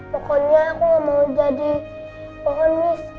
pokoknya aku mau jadi pohon miss